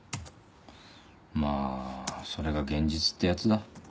まぁそれが現実ってやつだ。